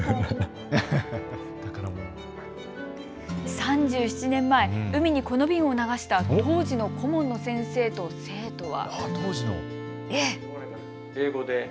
３７年前、海にこの瓶を流した当時の顧問の先生と生徒は。